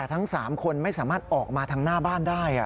ทั้ง๓คนไม่สามารถออกมาทางหน้าบ้านได้